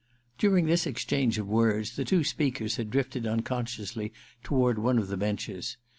During this exchange of words the two speakers had drifted unconsciously toward one of the benches.